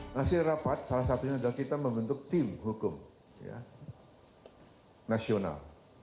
hasil rapat salah satunya adalah kita membentuk tim hukum nasional